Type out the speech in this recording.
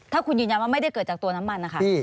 ถ้าคุณยืนยันว่าไม่ได้เกิดจากตัวน้ำมันนะคะ